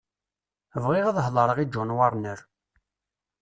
Bɣiɣ ad hedreɣ i John Warner.